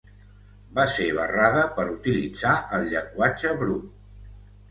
Va ser barrada per utilitzar el llenguatge brut.